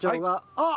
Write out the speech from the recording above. あっ！